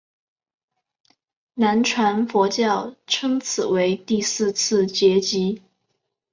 南传佛教称此为第四次结集。